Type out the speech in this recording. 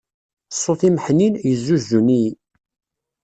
Ṣṣut-im ḥnin, yezzuzun-iyi.